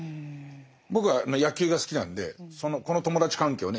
僕は野球が好きなんでこの友達関係をね